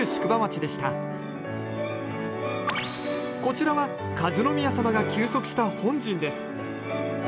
こちらは和宮さまが休息した本陣です